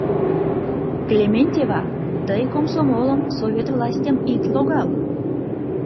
Клементьева, тый комсомолым, Совет властьым ит логал!